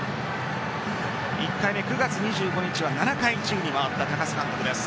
１回目、９月２５日は７回宙に舞った高津監督です。